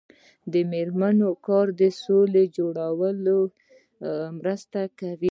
د میرمنو کار د سولې جوړولو مرسته کوي.